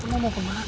kamu mau kemana